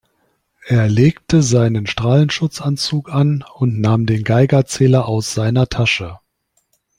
Er legte seinen Strahlenschutzanzug an und nahm den Geigerzähler aus seiner Tasche.